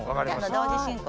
同時進行で。